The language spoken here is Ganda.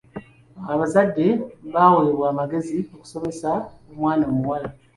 Abazadde baweebwa amagezi okusomesa omwana omuwala.